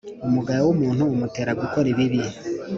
umugayo w’umuntu umutera gukora ibibi